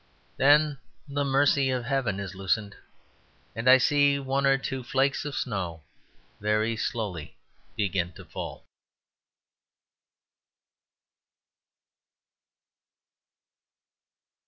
Then the mercy of Heaven is loosened, and I see one or two flakes of snow very slowly begin to fall.